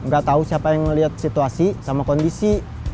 gak tau siapa yang ngeliat situasi sama kondisi